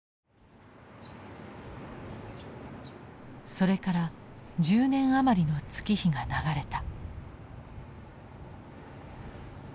それから１０年余りの月日が流れた。